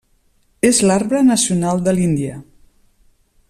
És l'arbre nacional de l'Índia.